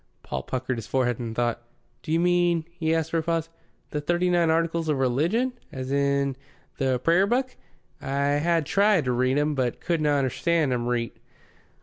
Paul puckered his forehead in thought. "D'yo' mean," he asked after a pause, "the Thirty nine Articles o' Religion, as is in th' Prayerbuk? I ha' tried to read 'em, but couldno' understand 'em reet."